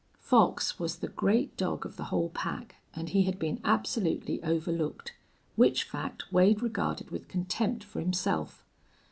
Fox was the great dog of the whole pack, and he had been absolutely overlooked, which fact Wade regarded with contempt for himself.